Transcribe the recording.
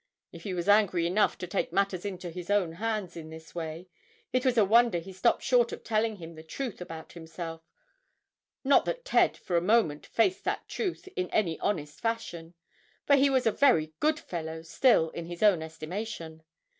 If he was angry enough to take matters into his own hands in this way, it was a wonder he stopped short of telling him the truth about himself not that Ted for a moment faced that truth in any honest fashion; for he was a very good fellow still in his own estimation.